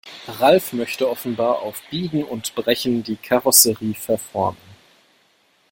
Ralf möchte offenbar auf Biegen und Brechen die Karosserie verformen.